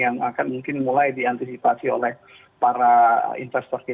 yang akan mungkin mulai diantisipasi oleh para investor kita